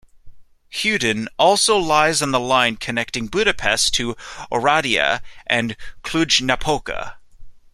Huedin also lies on the line connecting Budapest to Oradea and Cluj-Napoca.